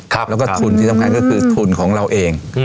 แล้วก็ทุนที่สำคัญก็คือทุนของเราเอง